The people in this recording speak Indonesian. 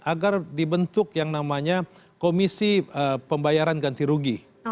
agar dibentuk yang namanya komisi pembayaran ganti rugi